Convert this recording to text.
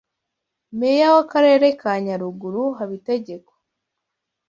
Meya w’akarere ka Nyaruguru, Habitegeko